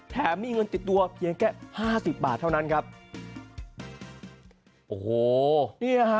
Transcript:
มีเงินติดตัวเพียงแค่ห้าสิบบาทเท่านั้นครับโอ้โหเนี่ยฮะ